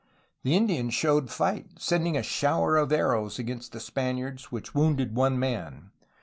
The Indians showed fight, sending a shower of arrows against the Spaniards which wounded one man.